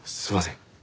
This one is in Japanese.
すいません。